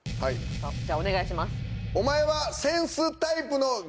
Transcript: じゃお願いします。